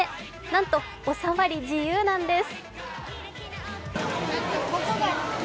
なんと、お触り自由なんです。